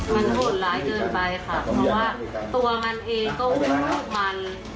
มันโหดร้ายเกินไปค่ะเพราะว่าตัวมันเองก็อุ้มลูกมัน